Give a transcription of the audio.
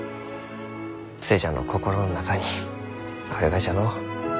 寿恵ちゃんの心の中にあるがじゃのう。